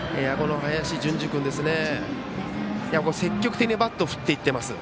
林純司君ですね、積極的にバットを振っていっています。